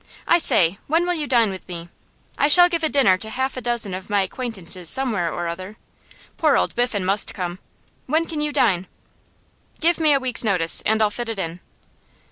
I say, when will you dine with me? I shall give a dinner to half a dozen of my acquaintances somewhere or other. Poor old Biffen must come. When can you dine?' 'Give me a week's notice, and I'll fit it in.